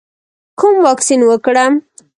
کوم واکسین وکړم؟